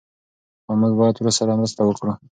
خو موږ باید ورسره مرسته وکړو.